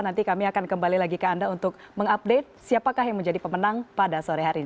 nanti kami akan kembali lagi ke anda untuk mengupdate siapakah yang menjadi pemenang pada sore hari ini